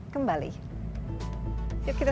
kembali yuk kita